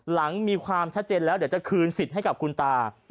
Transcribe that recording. มีความชัดเจนแล้วเดี๋ยวจะคืนสิทธิ์ให้กับคุณตา